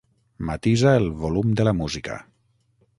Matisa el volum de la música.